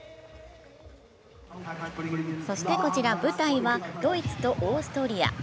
そしてこちら舞台はドイツとオーストリア。